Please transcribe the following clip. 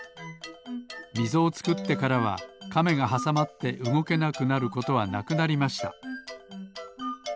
みぞをつくってからはカメがはさまってうごけなくなることはなくなりました